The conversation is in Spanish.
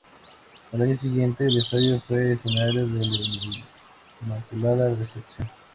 Al año siguiente, el estadio fue el escenario de la Inmaculada Recepción.